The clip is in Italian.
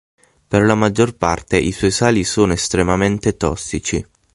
Per la maggior parte i suoi sali sono estremamente tossici.